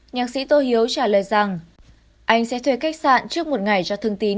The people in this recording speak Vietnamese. nhạc sĩ tô hiếu trả lời rằng anh sẽ thuê khách sạn trước một ngày cho thương tín